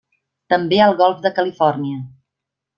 També al Golf de Califòrnia.